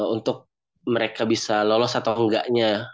untuk mereka bisa lolos atau enggaknya